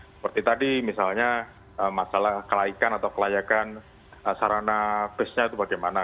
seperti tadi misalnya masalah kelaikan atau kelayakan sarana busnya itu bagaimana